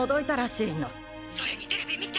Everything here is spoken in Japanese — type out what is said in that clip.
それにテレビ見た？